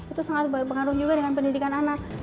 itu sangat berpengaruh juga dengan pendidikan anak